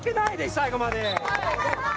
最後まで！